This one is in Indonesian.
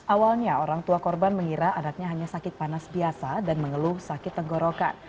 awalnya orang tua korban mengira anaknya hanya sakit panas biasa dan mengeluh sakit tenggorokan